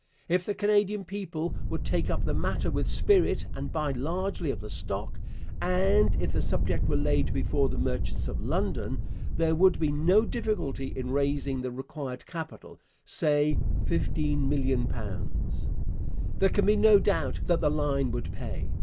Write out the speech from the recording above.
If the Canadian people would take up the matter with spirit and buy largely of the stock, and if the subject were laid before the merchants of London, 'there would be no difficulty in raising the required capital, say £15,000,000.' There can be no doubt that the line would pay.